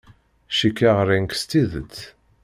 Cikkeɣ ran-k s tidet.